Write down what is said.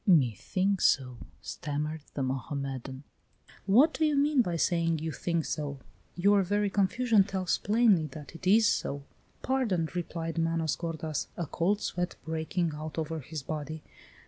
"Me think so," stammered the Mohammedan. "What do you mean by saying you think so? Your very confusion tells plainly that it is so." "Pardon," replied Manos gordas, a cold sweat breaking out over his body.